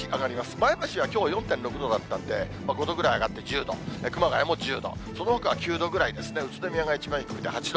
前橋はきょう４．６度だったんで、５度ぐらい上がって１０度、熊谷も１０度、そのほかは９度ぐらいですね、宇都宮が一番低くて８度。